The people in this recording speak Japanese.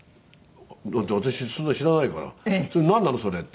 だって私そんなの知らないから「なんなの？それ」って。